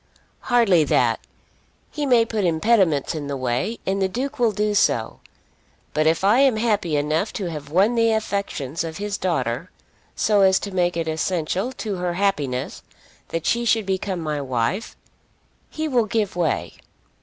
"Hardly that. He may put impediments in the way; and the Duke will do so. But if I am happy enough to have won the affections of his daughter, so as to make it essential to her happiness that she should become my wife, he will give way."